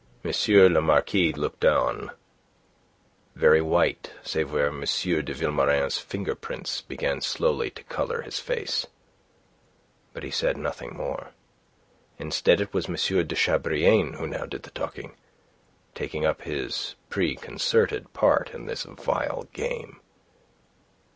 le Marquis looked on, very white save where M. de Vilmorin's finger prints began slowly to colour his face; but he said nothing more. Instead, it was M. de Chabrillane who now did the talking, taking up his preconcerted part in this vile game.